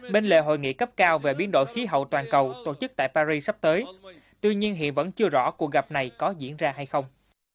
bên lề hội nghị cấp cao về biến đổi khí hậu toàn cầu tổ chức tại paris sắp tới tuy nhiên hiện vẫn chưa rõ cuộc gặp này có diễn ra hay không